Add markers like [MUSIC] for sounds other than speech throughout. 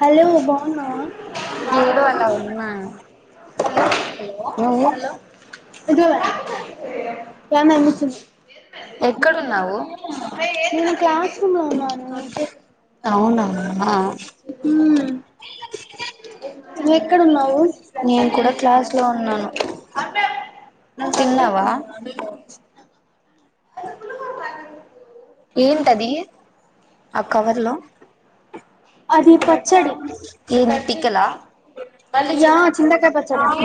Hello [INAUDIBLE] కనమ్మిచ్చు ఎక్కడున్నావు అవునా ఆ నువ్వ ఎక్కడున్నావు [INAUDIBLE] ఏంటది ఆ కవర్ లో, ఏమి పికిలా,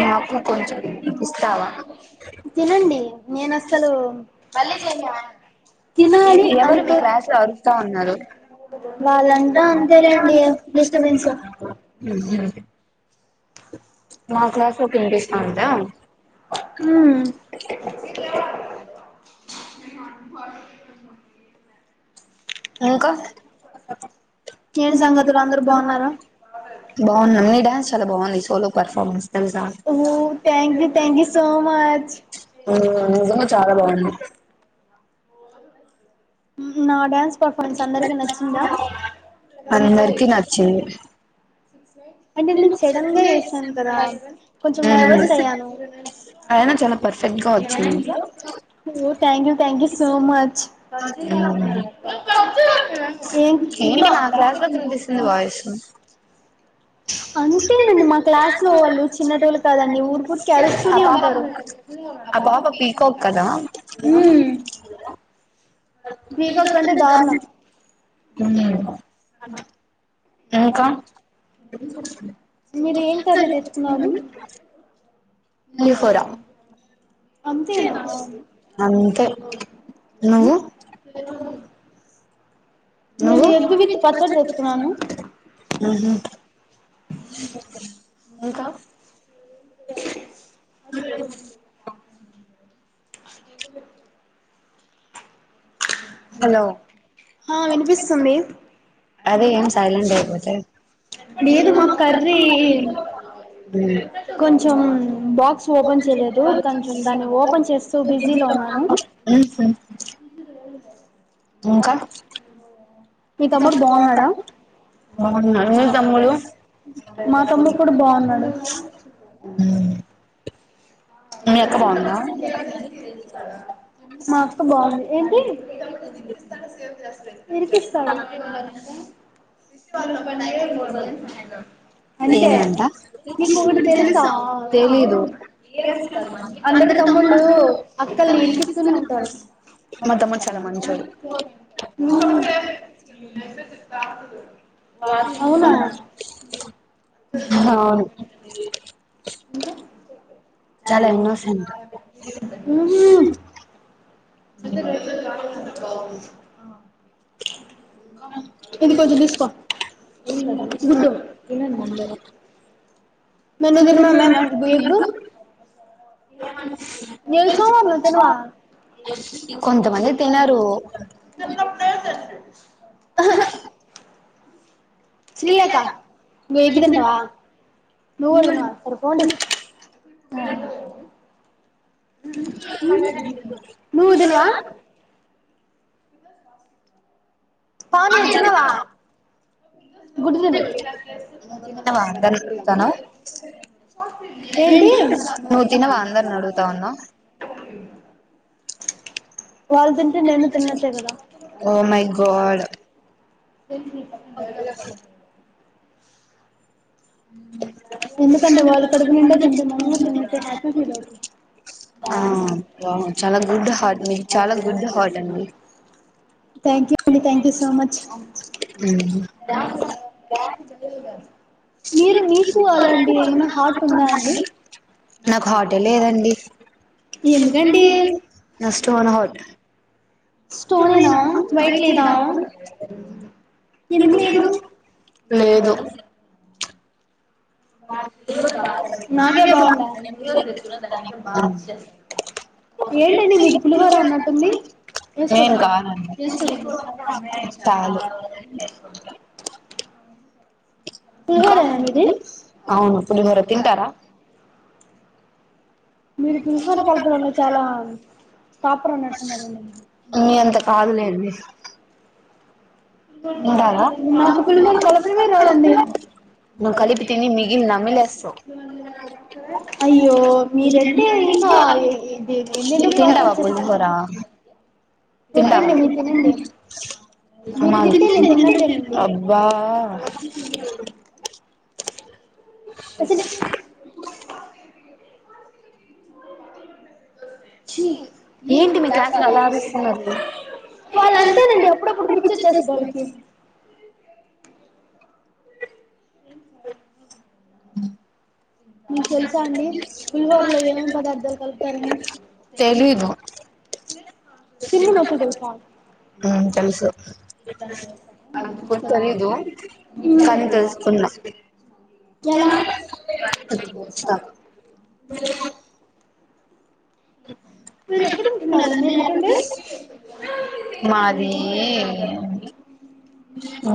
నాకు కొంచం ఇస్తావా మళ్ళీ జే [INAUDIBLE] ఎవరు మీ క్లాస్లో అరుస్తా ఉన్నారు, మ్మహ్ మా క్లాస్ లో కి ఇనిపిస్తా ఉంటే ఇంకా, బాగున్నయ నీ డ్యాన్స్ చాలా బాగుంది సోలో పర్ఫార్మెన్స్ తెలసా, నిజంగా చాలా బాగుంది మ్మ్ నా డ్యాన్స్ పర్ఫార్మన్స్ అందరికి నచ్చిందా అంటే నీకు సడన్ గా చేసాను కదా. కొంచం నర్వస్ అయ్యాను. Thank you thank you so much. ఆ పాప ఆ పాప పికాక్ కదా ఉమ్. అనువ ఇంకా. ఏం [UNINTELLIGIBLE] మీరు ఏం కర్రీ తెచ్చుకున్నారు పులిహోర అంతే, నువ్వు నువ్వు, మ్మహ్ [INAUDIBLE] ఆహ్ వినిపిస్తుంది. లేదు మాకు కర్రీ కొంచం బాక్స్ ఓపెన్ చేయలేదు. కొంచం దాన్ని ఓపెన్ చేస్తూ బిజీలో ఉన్నాను. ఇంకా మీ తమ్ముడు బాగున్నాడా. మా తమ్ముడు కూడా బాగున్నాడు. మా అక్క బాగుంది ఏంటి. ఫ్రెండ్. ఇరికిస్తాడు. అంటే నీకు ఒకటి తెలుసా. అందరు తమ్ముళ్ళు అక్కల్ని ఇరికిస్తూనే ఉంటారు. స్తాకుడు. ఆహ్ అవును. ఉమ్ బాగుంది. ఇది కొంచం తీసుకో గుడ్డు. ఉందా మనకు బ్రెడ్డు. నెల్స నువ్వు తినవా. శ్రీలేఖ నువ్వు ఎగ్గు తింటావా. నువ్వు కూడా తిన్నావా సరే పోండి నువ్వు తిన్నావా పావని తిన్నావా గూడు తిను ఏంటీ వాళ్ళు తింటే నేను తిన్నట్టే కదా [UNINTELLIGIBLE] ఆహ్ తులసి. ఎందుకంటే వాళ్ళు కడుపునిండ తింటున్నారు. నువ్వు తిన్నట్టే హ్యాపీ ఫీల్ అవుతున్నరు. థాంక్యూ అండి థాంక్యూ సో మచ్. మీరు మీకు అలాంటి ఏమైనా హార్ట్ ఉందా అండి. నాకు హార్ట్ యే లేదండి. ఏంటండీ నష్టం అలవాట్ లేదు నాగే బాగుందా ఏంటండి మీది పులిహోర అన్నట్టుంది ఇంకా అవును పులిహోర తింటారా మీరు పులిహోర కల్పడంలో చాలా టాపర్ ఉన్నట్టు ఉన్నారు అండి నాకు పులిహోరా కలపడమే రాదండి అయ్యో మీరండి ఇంకా ఎన్నో [UNINTELLIGIBLE] తింట అబ్బా అసలు వాళ్ళ అంతేనండి అప్పుడప్పుడు పిచ్చ వచ్చేస్తు వాళ్ళకి మీకు తెలుసా అండి పులిహోరలో ఏమేమి పదార్థాలు కలుపుతారు చిన్ని [UNINTELLIGIBLE] తెలుసా ఎలా మాదీ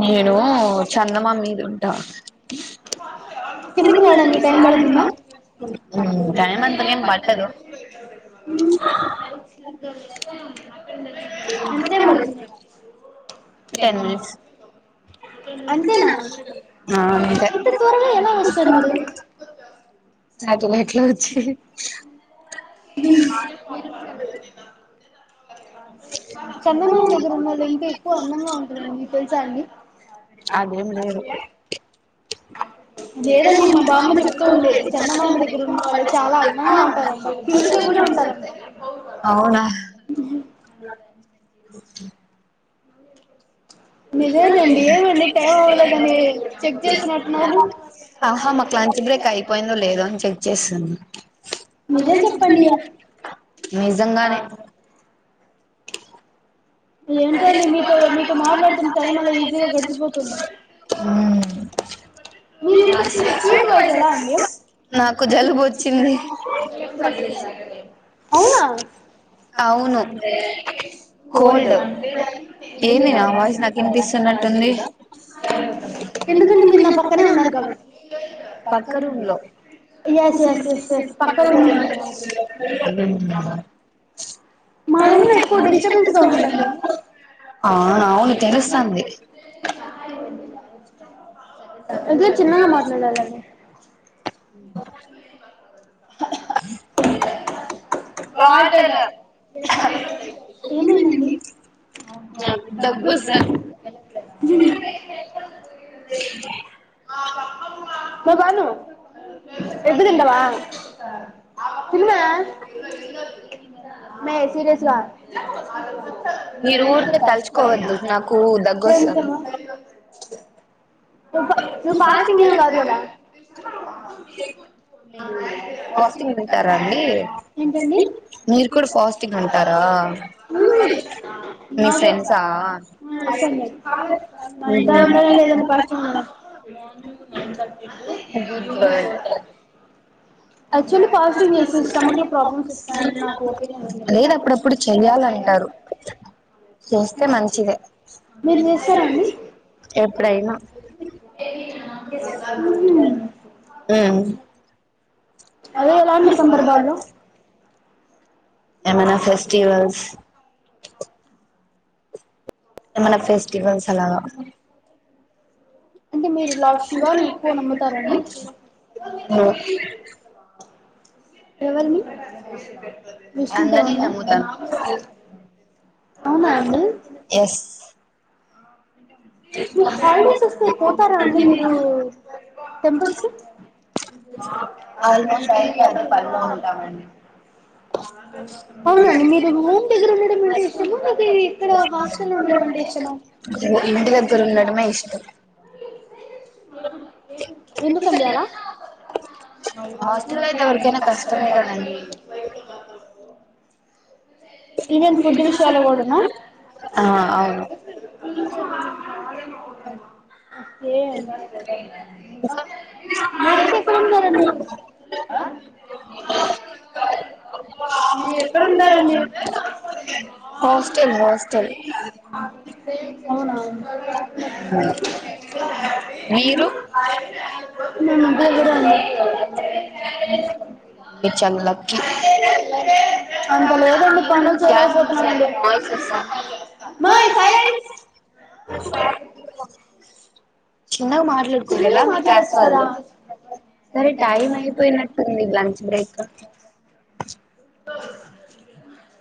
నేనూ చందమామ మీద ఉంటా టైం అంతగా ఏం పట్టదు మ్మ్ టెన్ మినిట్స్ అంతేనా ఇంత త్వరగా ఎలా వస్తారు మీరు చందమామ దగ్గర ఉన్నోళ్లు ఇంకా ఎక్కువ అందంగా ఉంటా రండి మీకు తెలుసా అండి అదేమ్ లేదు లేదండి మా బామ్మ చెప్తూ ఉండేది చందామామ దగ్గర ఉన్న వాళ్ళు చాలా అందంగా ఉంటారంట క్యూట్ గా కూడా ఉంటారంట ఆహా మాకు లంచ్ బ్రేక్ అయిపోయిందో లేదో అని చెక్ చేస్తున్న నిజంగానే ఏంటండి మీతో మీతో మాట్లాడుతున్న టైం అలా ఈజీగా గడిచిపోతుంది మీదీ ఇంత స్వీట్ వాయిస్ ఎలా అండి అవునా ఎందుకంటే మీరు నా పక్కనే ఉన్నారు కాబట్టి పక్క రూమ్ లో ఆ అవును తెలుస్థాంది కొంచెం చిన్నగా మాట్లాడాలండి ఏమైందండి అమ్మేయి సీరియస్గా నువ్ ప నువ్ పాస్టింగ్ ఏమ్ కాదు కదా మీరు వస్తువ్ వింటారా అండి మీరు మా ఇంటా వంటా లేదండి ఫాస్టింగ్ ఉండడం nine thirty to evening four thirty actually fasting చేస్తే స్టమక్ ఎ ప్రాబ్లమ్ చేస్తా నాక్ మీర్ చేస్తారండి మ్హు అదే ఎలాంటి సందర్భాల్లో ఏమనా ఫెస్టివల్స్ ఏమన్న ఫెస్టివల్స్ అలాగా అంటే మీరు లార్డ్ శివాని ఎక్కువ నమ్ముతారండి ఎవర్ని విష్ణు దేవున్నా అవునా అండి ఇ హల్డేస్ వస్తే పోతారా అండి మీరు టెంపుల్స్ కి అవునండి మీరు హోమ్ దగ్గర ఉండడం అంటే ఇష్టమ లేకే ఇక్కడ హాస్టల్ ఉండడం అంటే ఇష్టమ. ఇగో ఇంటి దగ్గర ఉండడమే ఇష్టం ఎందుక్ అండి అలా ఆ అవును ఇ ఓకే మీరైతే ఎక్కడు ఉంటారండి మీరు ఎక్కడుంటారండి అవున మీరు దగర ఉంది అంత లేదండి పనుల్ చేయ్లేకపోతున్నామండి బాయ్ సైలెంట్ చిన్నగా మాట్లాడుకోలేలా మీ క్లాస్ వాళ్ళు సరే టైం అయిపోయినట్టుంది లంచ్ బ్రేక్ అ